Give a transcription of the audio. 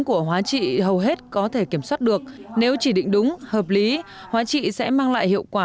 của hóa trị hầu hết có thể kiểm soát được nếu chỉ định đúng hợp lý hóa trị sẽ mang lại hiệu quả